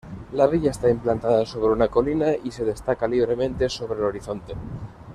La villa está implantada sobre una colina, y se destaca libremente sobre el horizonte.